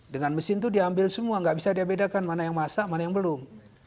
dengan mesin itu diambil semua nggak bisa dia bedakan mana yang masak mana yang belum